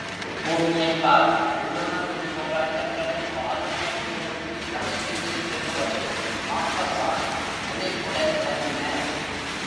பூமியைப் பார்! உள்ளுணர்வுப் போராட்டங்களைப் பாலுணர்வு கூட்டிக் கதை பின்னிச் சொல்லுவதில் மாப்பஸான் நிலைப்புடன் விளங்கினார்.